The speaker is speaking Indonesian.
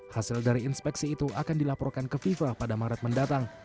hasil dari inspeksi itu akan dilaporkan ke fifa pada maret mendatang